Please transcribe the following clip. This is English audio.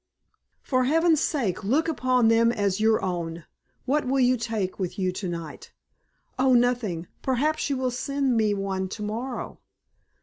For heaven's sake look upon them as your own. What will you take with you to night?" "Oh! Nothing! Perhaps you will send me one tomorrow?"